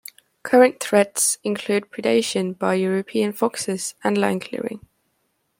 Current threats include predation by European foxes and land clearing.